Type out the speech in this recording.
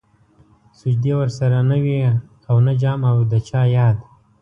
سجدې ورسره نه وې او نه جام او د چا ياد